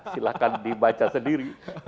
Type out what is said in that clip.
silahkan dibaca sendiri